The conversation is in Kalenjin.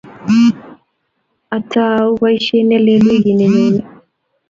Atou boisie ne lel wikit ne nyone